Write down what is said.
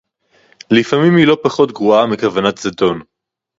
לפעמים היא לא פחות גרועה מכוונת זדון